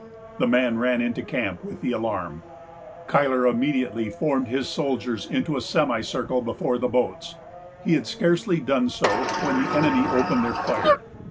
The man ran into camp with the alarm. Cuyler immediately formed his soldiers into a semicircle before the boats. He had scarcely done so when the enemy opened their fire.